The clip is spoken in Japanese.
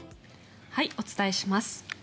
お伝えします。